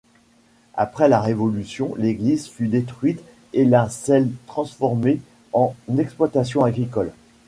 Après la Révolution, l'église fut détruite et la celle transformée en exploitation agricole.